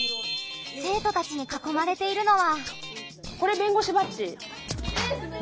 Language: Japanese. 生徒たちにかこまれているのは。